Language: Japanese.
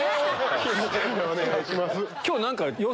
お願いします。